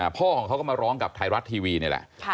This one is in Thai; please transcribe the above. พ่อของเขาก็มาร้องกับไทยรัฐทีวีนี่แหละ